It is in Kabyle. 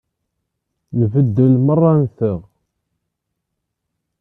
Nbeddel merra-nteɣ.